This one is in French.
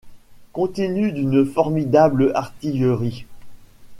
continues d’une formidable artillerie.